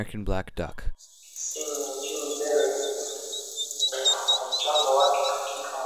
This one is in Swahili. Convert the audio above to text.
Kissinger mjini Berlin kwa mchango wake katika makubaliano ya kibiashara ya transAtlantic Mwaka